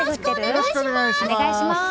よろしくお願いします！